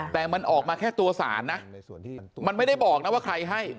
แต่มันออกมาแค่ตัวสารนะมันไม่ได้บอกนะว่าใครให้